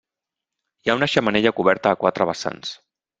Hi ha una xemeneia coberta a quatre vessants.